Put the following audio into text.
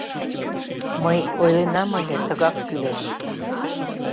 — Мый ойленам ыле, тыгак кӱлеш.